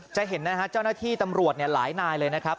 จะเห็นนะฮะเจ้าหน้าที่ตำรวจหลายนายเลยนะครับ